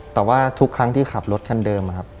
แต่ว่าทุกครั้งที่ขับรถคันเดิมนะครับ